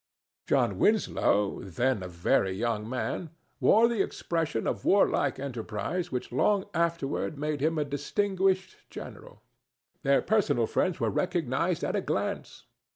John Winslow, then a very young man, wore the expression of warlike enterprise which long afterward made him a distinguished general. Their personal friends were recognized at a glance.